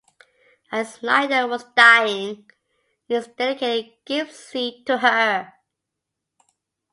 As Snyder was dying, Nicks dedicated "Gypsy" to her.